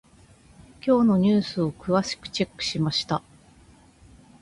今日のニュースを詳しくチェックしました。